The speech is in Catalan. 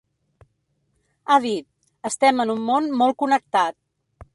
Ha dit: Estem en un món molt connectat.